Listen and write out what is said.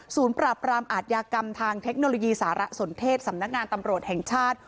ปราบรามอาทยากรรมทางเทคโนโลยีสารสนเทศสำนักงานตำรวจแห่งชาติ